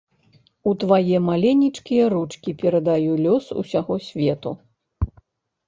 У твае маленечкія ручкі перадаю лёс усяго свету.